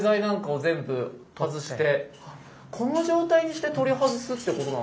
これもうこの状態にして取り外すってことなんですね。